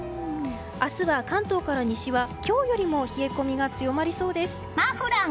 明日は関東から西は今日よりも冷え込みが強まりそうです。